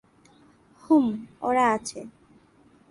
হুম, ওরা আছে।